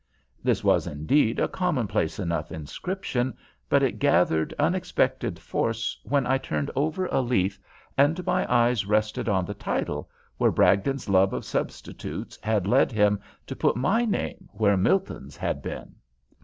This was, indeed, a commonplace enough inscription, but it gathered unexpected force when I turned over a leaf and my eyes rested on the title, where Bragdon's love of substitutes had led him to put my name where Milton's had been.